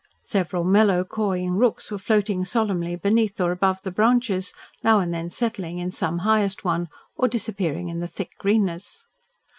Several mellow, cawing rooks were floating solemnly beneath or above the branches, now wand then settling in some highest one or disappearing in the thick greenness.